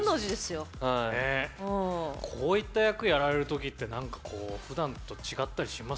こういった役やられるときってふだんと違ったりします？